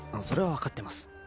それは分かってます。